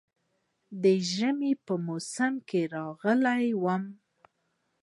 د ژمي په موسم کې راغلی وم.